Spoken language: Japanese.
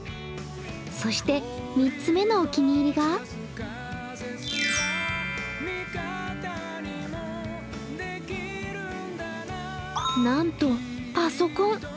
そして３つ目のお気に入りがなんとパソコン。